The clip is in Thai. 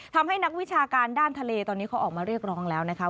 ทำให้นักวิชาการด้านทะเลตอนนี้เขาออกมาเรียกร้องแล้วนะคะ